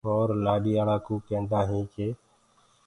اور لآڏياݪآ ڪوٚ ڪيندآ هينٚ ڪي۔